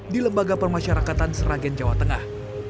di lembaga permasyarakatan seragen jawa tengah